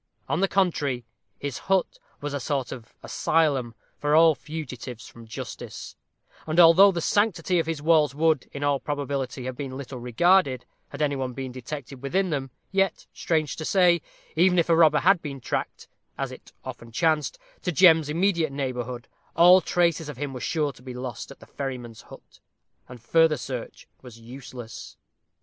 On the contrary, his hut was a sort of asylum for all fugitives from justice; and although the sanctity of his walls would, in all probability, have been little regarded, had any one been, detected within them, yet, strange to say, even if a robber had been tracked as it often chanced to Jem's immediate neighborhood, all traces of him were sure to be lost at the ferryman's hut; and further search was useless.